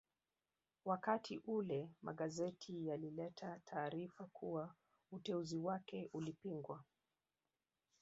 Wakati ule magazeti yalileta taarifa kuwa uteuzi wake ulipingwa